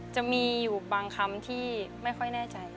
จะมีอยู่บางคำที่ไม่ค่อยแน่ใจ